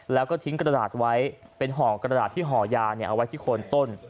แล้วก็ทิ้งกระดาษไว้เป็นห่อกระดาษที่ห่อยาเอาไว้ที่โคนต้น